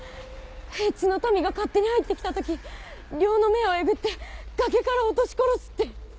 「平地の民が勝手に入って来た時両の目をえぐって崖から落とし殺す」って。